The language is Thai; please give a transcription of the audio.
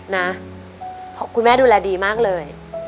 นะคุณแม่ดูแลดีมากเลย